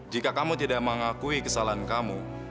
jika kamu tidak mengakui kesalahan kamu